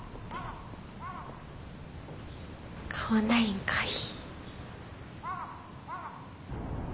買わないんかい！